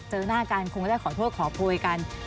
เจอหน้ากันคงได้ขอโทษขอโพยกัน